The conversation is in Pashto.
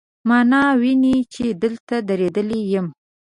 ما نه ویني، چې دلته دریدلی یم